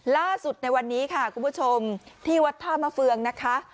ล่าสุดในวันนี้ค่ะคุณผู้ชมที่วัดท่ามะเฟืองนะคะ